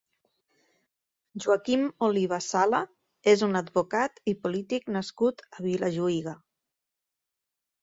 Joaquim Oliva Sala és un advocat i polític nascut a Vilajuïga.